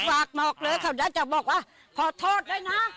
ดูปะตัวของหมอปาระกษาไป